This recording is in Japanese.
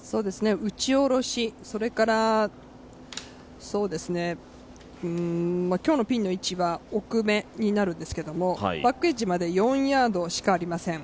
打ち下ろし、それから今日のピンの位置は奥目になるんですけど、バックエッジまで４ヤードしかありません。